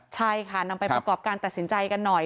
ใช่ค่ะนำไปประกอบการตัดสินใจกันหน่อย